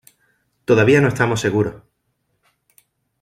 Todavía no estamos seguros.